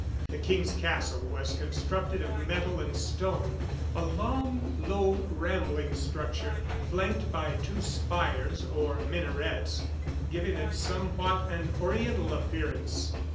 The king's castle was constructed of metal and stone a long, low, rambling structure, flanked by two spires or minarets, giving it somewhat an Oriental appearance.